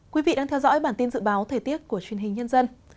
quý vị đang theo dõi bản tin dự báo thời tiết của truyền hình nhân dân